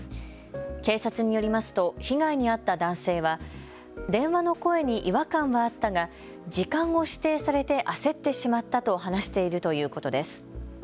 警察によりますと被害に遭った男性は電話の声に違和感はあったが時間を指定されて焦ってしまったと話しているということです。